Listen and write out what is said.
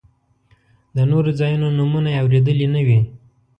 د نورو ځایونو نومونه یې اورېدلي نه وي.